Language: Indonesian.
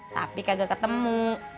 tapi kagak ketemu